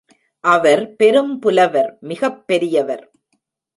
அவர் பெரும் புலவர் மிகப்பெரியவர்.